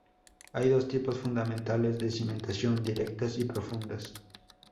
Hay dos tipos fundamentales de cimentación: directas y profundas.